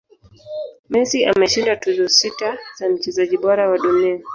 messi ameshinda tuzo sita za mchezaji bora wa dunia